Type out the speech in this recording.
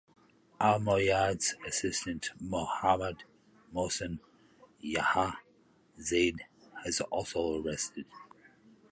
Al-Moayad's assistant Mohammed Mohsen Yahya Zayed was also arrested.